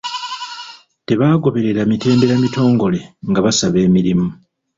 Tebaagoberera mitendera mitongole nga basaba emirimu.